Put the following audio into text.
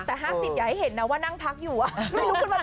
แต่๕๐อย่าให้เห็นนาน่ว่านั่งพักอยู่อะ